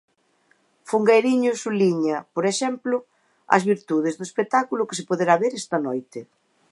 Fungueiriño subliña, por exemplo, as virtudes do espectáculo que se poderá ver esta noite.